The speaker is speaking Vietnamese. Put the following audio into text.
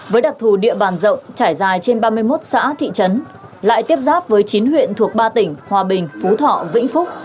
với đặc thù địa bàn rộng trải dài trên ba mươi một xã thị trấn lại tiếp giáp với chín huyện thuộc ba tỉnh hòa bình phú thọ vĩnh phúc